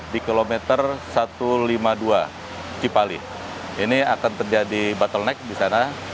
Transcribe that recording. di kilometer satu ratus lima puluh dua cipali ini akan terjadi bottleneck di sana